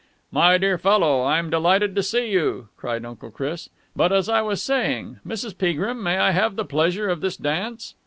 "My dear fellow, I'm delighted to see you," cried Uncle Chris. "But, as I was saying, Mrs. Peagrim, may I have the pleasure of this dance?"